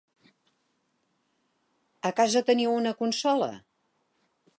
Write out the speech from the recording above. A casa teniu una consola?